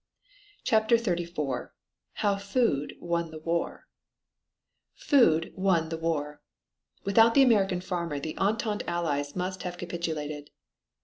CHAPTER XXXIV HOW FOOD WON THE WAR Food won the war. Without the American farmer the Entente Allies must have capitulated.